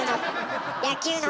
野球の！